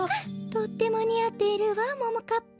とってもにあっているわももかっぱ。